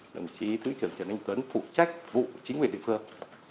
đồng chí thứ trưởng trần anh tuấn phụ trách vụ chính quyền địa phương